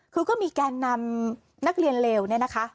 คือก็มีแกนนำนักเรียนเลวเนี่ยนะคะ